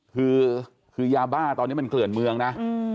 คือยาบ้าตอนนี้มันเกลื่อนเมืองนะ